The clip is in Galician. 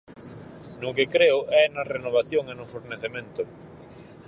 No que creo é na renovación e no fornecemento.